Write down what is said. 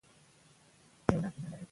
ستا په پانوس کي به مي شپه وای، نصیب نه منلم